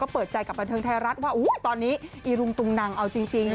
เปิดใจกับบันเทิงไทยรัฐว่าตอนนี้อีรุงตุงนังเอาจริง